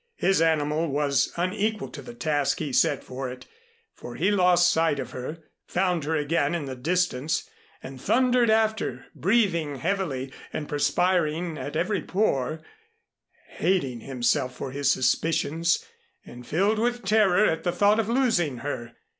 His animal was unequal to the task he set for it, for he lost sight of her, found her again in the distance and thundered after, breathing heavily and perspiring at every pore, hating himself for his suspicions, and filled with terror at the thought of losing her.